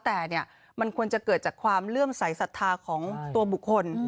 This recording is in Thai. แต่มันควรจะเกิดจากความเลื่อมใสสัทธาของตัวบุคคล